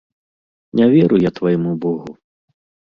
Не веру я твайму богу.